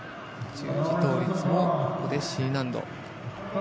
十字倒立もここでＣ難度。